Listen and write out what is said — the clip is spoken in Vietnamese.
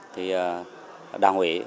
thì đảng ủy